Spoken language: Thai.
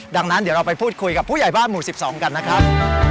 ดังนั้นเดี๋ยวเราไปพูดคุยกับผู้ใหญ่บ้านหมู่๑๒กันนะครับ